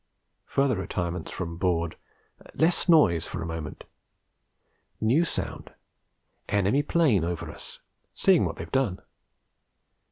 Further retirements from board; less noise for moment. New sound: enemy 'plane over us, seeing what they've done.